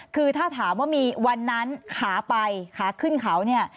คือถ้าถามว่ามีวันนั้นขาไปขาขึ้นเขาเนี่ย